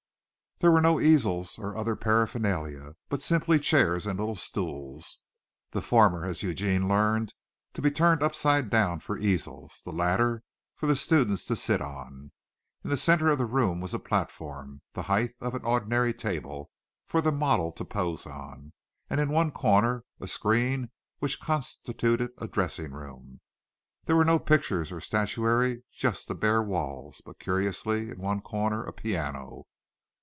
There were no easels or other paraphernalia, but simply chairs and little stools the former, as Eugene learned, to be turned upside down for easels, the latter for the students to sit on. In the center of the room was a platform, the height of an ordinary table, for the model to pose on, and in one corner a screen which constituted a dressing room. There were no pictures or statuary just the bare walls but curiously, in one corner, a piano.